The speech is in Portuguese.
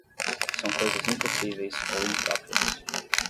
São coisas impossíveis ou impróprias.